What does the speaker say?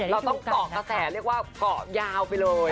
เราต้องเกาะกระแสเรียกว่าเกาะยาวไปเลย